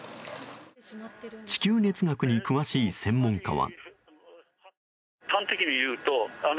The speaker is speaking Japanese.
地球熱学に詳しい専門家は。